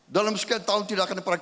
dalam sekitar tahun tidak akan ada perang